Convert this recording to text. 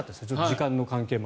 時間の関係で。